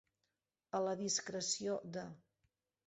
A la discreció de.